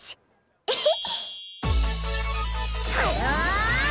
エヘッ。